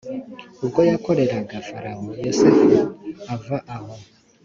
ubwo yakoreraga farawo. yosefu ava aho.